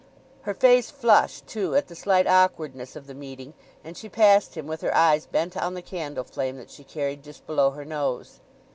Her face flushed, too, at the slight awkwardness of the meeting, and she passed him with her eyes bent on the candle flame that she carried just below her nose.